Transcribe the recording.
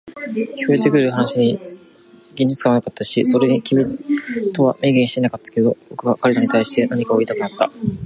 聞こえてくる話に現実感はなかったし、それに君とは明言してはいなかったけど、僕は彼らに対して何かを言いたくなった。